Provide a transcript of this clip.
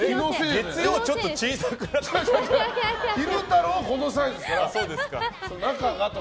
月曜ちょっと小さくなかった？